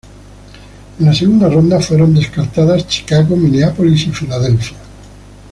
En la segunda ronda fueron descartadas Chicago, Minneapolis y Filadelfia.